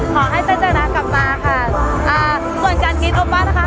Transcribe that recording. ขอให้เจ๊จนะกลับมาค่ะอ่าส่วนการคิดโอป้านะคะ